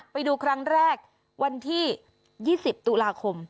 ไปดูครั้งแรกวันที่๒๐ตุลาคม